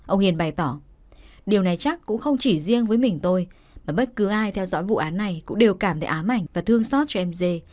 ông hiền bày tỏ điều này chắc cũng không chỉ riêng với mình tôi mà bất cứ ai theo dõi vụ án này cũng đều cảm thấy ám ảnh và thương xót cho m dê